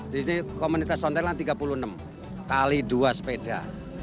disini komunitas ontelan tiga puluh enam kali dua sepeda